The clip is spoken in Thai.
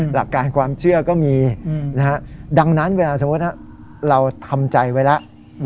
หลักการความเชื่อก็มีดังนั้นเวลาสมมุติเราทำใจไว้แล้ว